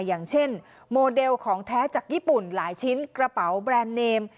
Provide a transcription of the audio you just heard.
อย่างเช่นโมเดลของแท้จากญี่ปุ่นหลายชิ้นกระเป๋าแบรนด์เนม